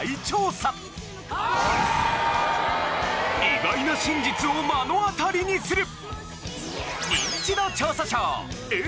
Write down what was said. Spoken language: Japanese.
意外な真実を目の当たりにする！